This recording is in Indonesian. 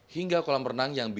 hingga kolam renang yang berbeda